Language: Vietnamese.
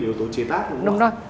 vì yếu tố chế tác